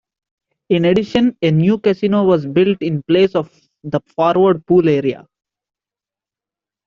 In addition a new casino was built in place of the forward pool area.